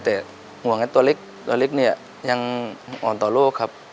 แต่ห่วงนั้นตัวเล็กตัวเล็กเนี่ยยังอ่อนต่อโลกครับ